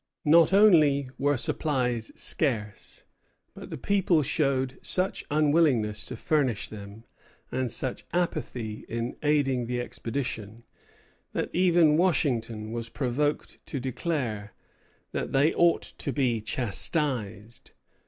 Not only were supplies scarce, but the people showed such unwillingness to furnish them, and such apathy in aiding the expedition, that even Washington was provoked to declare that "they ought to be chastised."